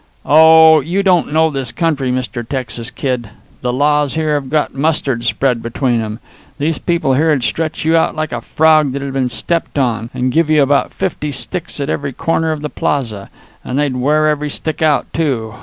Oh, you don't know this country, Mr. Texas Kid. The laws here have got mustard spread between 'em. These people here'd stretch you out like a frog that had been stepped on, and give you about fifty sticks at every corner of the plaza. And they'd wear every stick out, too.